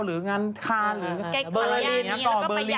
หรืองานทางหรือเบอร์ลีน